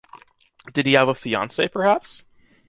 Did he have a fiancée, perhaps?